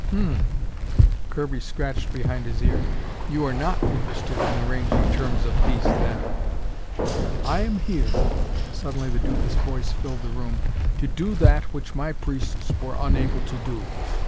"Hum." Kirby scratched behind his ear. "You are not interested in arranging terms of peace, then." "I am here," suddenly the Duca's voice filled the room "to do that which my priests were unable to do.